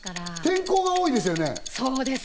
転校が多いですよね。